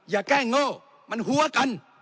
อย่าแก้งโง่มันหัวกัน